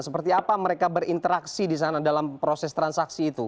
seperti apa mereka berinteraksi di sana dalam proses transaksi itu